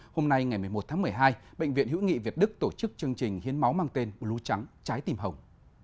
hôm nay ngày một mươi một tháng một mươi hai bệnh viện hữu nghị việt đức tổ chức chương trình hiến máu mang tên lũ trắng trái tìm hồng